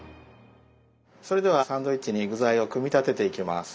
それではサンドイッチに具材を組み立てていきます。